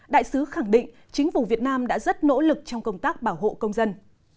đại sứ khẳng định chính phủ việt nam đã rất nỗ lực trong công tác bảo hộ công dân